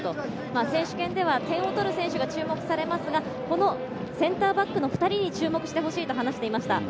選手権では点を取る選手が注目されますが、このセンターバックの２人に注目してほしいと話していました。